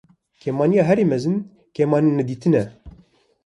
Kêmaniya herî mezin kêmanînedîtin e.